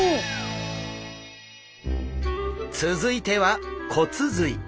続いては骨髄。